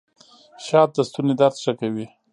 شات د ستوني درد ښه کوي